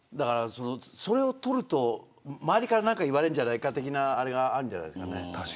それを取ると周りから何か言われるんじゃないかというのがあるんじゃないですかね。